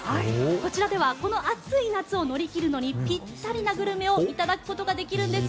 こちらではこの暑い夏を乗り切るのにぴったりなグルメをいただくことができるんです。